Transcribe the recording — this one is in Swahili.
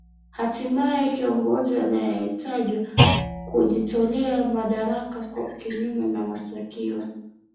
hatimaye kiongozi anaetajwa kujitolea madaraka kinyume na matakwa